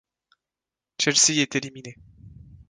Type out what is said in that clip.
Chelsea est éliminé.